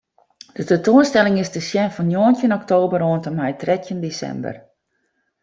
De tentoanstelling is te sjen fan njoggentjin oktober oant en mei trettjin desimber.